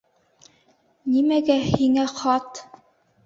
Нимәгә һиңә хат?